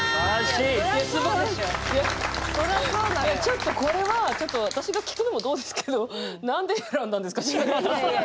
ちょっとこれは私が聞くのもどうですけど何で選んだんですか？